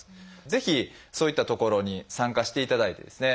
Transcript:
ぜひそういった所に参加していただいてですね